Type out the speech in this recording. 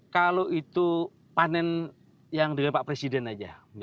kalau itu panen yang dengan pak presiden aja